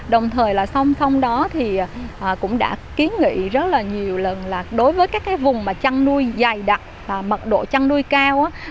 đồng thời xong đó cũng đã ký nghị rất nhiều lần đối với các vùng chăn nuôi dày đặc và mật độ chăn nuôi cao